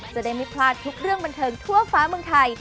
จะได้ไม่พลาดทุกเรื่องบันเทิงทั่วฟ้าเมืองไทย